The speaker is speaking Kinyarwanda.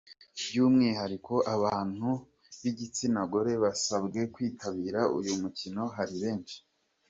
By’umwihariko abantu b’igitsinagore basabwe kwitabira uyu mukino ari benshi.